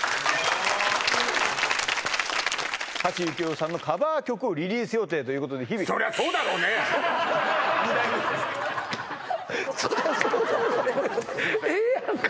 橋幸夫さんのカバー曲をリリース予定ということで日々二代目ですから「そりゃそうだろうね」ってええやんか